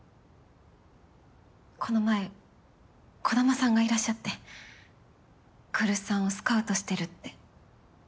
この前児玉さんがいらっしゃって来栖さんをスカウトしてるって。